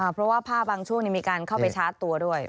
เพราะว่าผ้าบางช่วงมีการเข้าไปชาร์จตัวด้วย